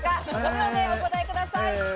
５秒でお答えください。